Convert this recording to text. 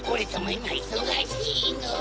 いまいそがしいの。